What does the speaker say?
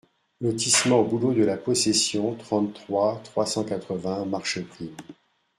Lotissement Bouleaux de la Possession, trente-trois, trois cent quatre-vingts Marcheprime